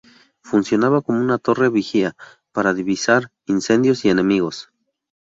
Funcionaba como una torre vigía para divisar incendios y enemigos.